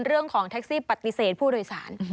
เรื่องของแท็กซี่ปฏิเสธผู้โดยสาร